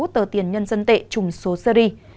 tờ tiền nhân dân tệ trùng số seri